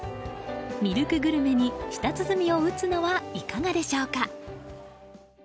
ミルクグルメに舌鼓を打つのはいかがでしょうか？